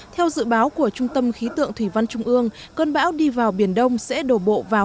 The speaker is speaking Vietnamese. theo dự báo của trung tâm khí tượng thủy văn trung ương cơn bão đi vào biển đông sẽ đổ bộ vào